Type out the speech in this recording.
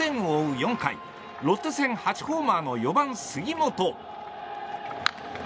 ４回ロッテ戦、８ホーマーの４番、杉本。